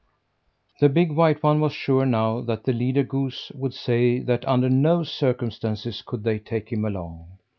The big white one was sure now that the leader goose would say that under no circumstances could they take him along.